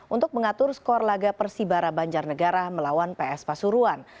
untuk mengatur skor laga persibara banjarnegara melawan ps pasuruan